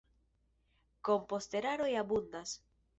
Komposteraroj abundas.